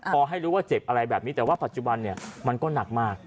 พอให้รู้ว่าเจ็บอะไรแบบนี้แต่ว่าปัจจุบันเนี่ยมันก็หนักมาก